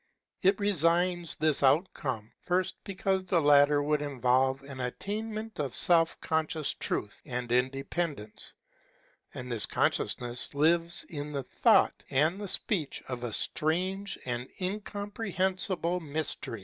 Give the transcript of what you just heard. It resigns this outcome, first, because the latter would involve an attainment of self conscious truth and independence (and this consciousness lives in the thought and the speech of a strange and incomprehensible mystery).